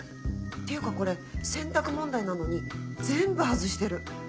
ていうかこれ選択問題なのに全部外してる。